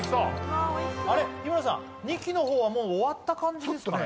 日村さん２期生のほうはもう終わった感じですかね？